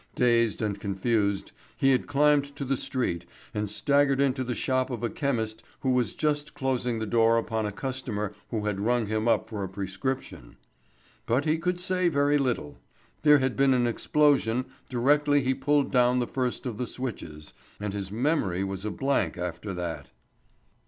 Dazed and confused, he had climbed to the street and staggered into the shop of a chemist who was just closing the door upon a customer who had rung him up for a prescription. But he could say very little. There had been an explosion directly he pulled down the first of the switches, and his memory was a blank after that.